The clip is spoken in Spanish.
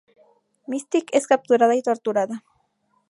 Mystique es capturada y torturada.